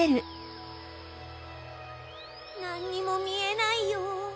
なんにもみえないよ。